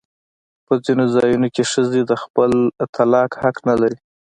په ځینو ځایونو کې ښځې د خپل طلاق حق نه لري.